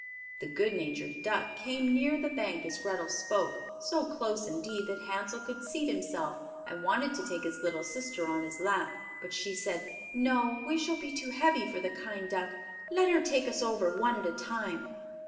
The good natured duck came near the bank as Grethel spoke, so close indeed that Hansel could seat himself and wanted to take his little sister on his lap, but she said, "No, we shall be too heavy for the kind duck; let her take us over one at a time."